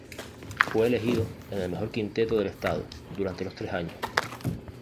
Fue elegido en el "mejor quinteto del estado" durante los tres años.